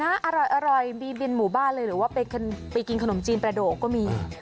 อร่อยมีบินหมู่บ้านเลยหรือว่าไปกินขนมจีนประโดกก็มี